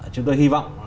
chúng tôi hy vọng